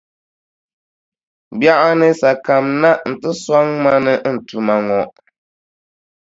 Biɛɣuni sa kamina nti sɔŋ ma ni n tuma ŋɔ.